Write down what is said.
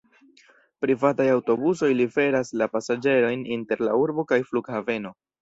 Privataj aŭtobusoj liveras la pasaĝerojn inter la urbo kaj flughaveno.